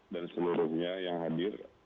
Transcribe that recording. dan seluruhnya yang hadir